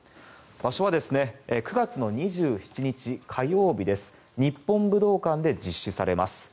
場所は、９月２７日火曜日です日本武道館で実施されます。